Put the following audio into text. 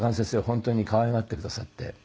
本当に可愛がってくださって。